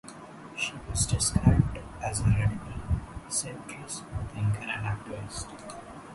She was described as a radical centrist thinker and activist.